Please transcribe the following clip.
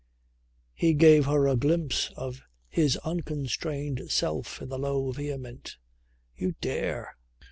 He gave her a glimpse of his unconstrained self in the low vehement "You dare!"